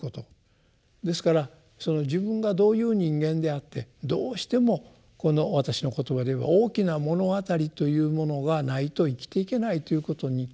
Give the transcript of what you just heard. ですから自分がどういう人間であってどうしてもこの私の言葉で言えば大きな物語というものがないと生きていけないということに気付く。